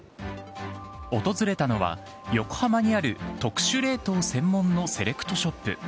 訪れたのは、横浜にある特殊冷凍専門のセレクトショップ。